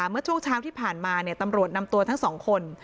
เมื่อช่วงเช้าที่ผ่านมาตำรวจนำตัวทั้งสองคน